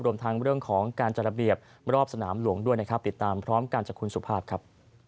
รวมทั้งเรื่องของการจัดระเบียบรอบสนามหลวงด้วยนะครับติดตามพร้อมกันจากคุณสุภาพครับ